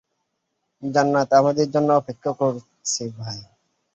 জান্নাত আমাদের জন্য অপেক্ষা করছে, ভাই।